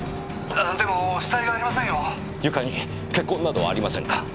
床に血痕などはありませんか？